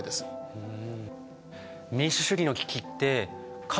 うん。